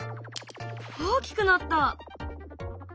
大きくなった。